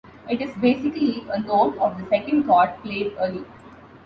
It is basically a note of the second chord played early.